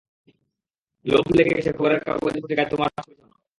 লোভ লেগে গেছে খবরের কাগজ পত্রিকায় তোমার ছবি ছাপানোর।